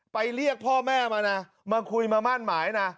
เรียกพ่อแม่มานะมาคุยมามั่นหมายนะ